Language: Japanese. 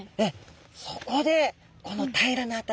そこでこの平らな頭。